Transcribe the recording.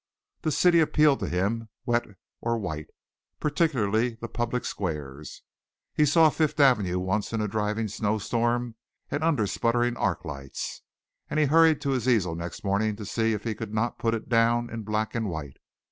The city appealed to him, wet or white, particularly the public squares. He saw Fifth Avenue once in a driving snowstorm and under sputtering arc lights, and he hurried to his easel next morning to see if he could not put it down in black and white.